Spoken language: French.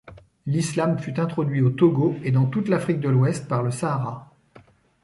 L'islam fut introduit au Togo et dans toute l'Afrique de l'Ouest par le Sahara.